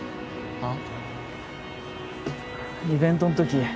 あっ。